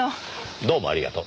どうもありがとう。